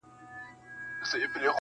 • ويل پلاره يوه ډله ماشومان وه -